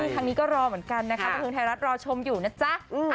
ทางนี้ก็รอเหมือนกันนะคะบันเทิงไทยรัฐรอชมอยู่นะจ๊ะ